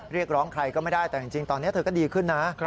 เรียกร้องใครก็ไม่ได้แต่จริงตอนนี้เธอก็ดีขึ้นนะ